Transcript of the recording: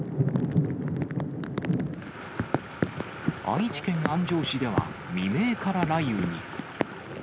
愛知県安城市では、未明から雷雨に。